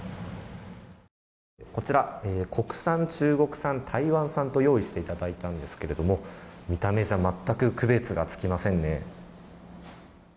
こちら、国産、中国産台湾産と用意していただいたんですが見た目じゃ全く区別がつきませんね。